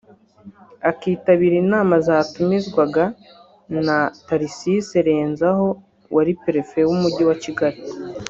akitabira inama zatumizwaga na Tharcisse Renzaho wari Perefe w’Umujyi wa Kigali